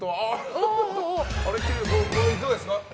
いかがですか？